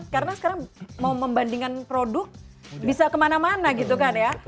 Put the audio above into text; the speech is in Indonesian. karena sekarang mau membandingkan produk bisa kemana mana gitu kan ya